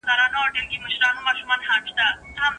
کوم بل لفظ د خطاوتلي شخص مقصد کیدلای سي؟